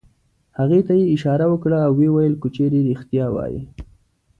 هغه ته یې اشاره وکړه او ویې ویل: که چېرې رېښتیا وایې.